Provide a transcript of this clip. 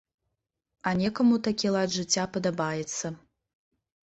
А некаму такі лад жыцця падабаецца.